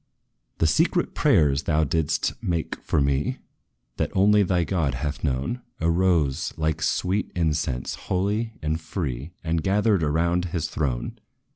"The secret prayers, thou didst make for me, That only thy God hath known, Arose, like sweet incense, holy and free, And gathered around his throne.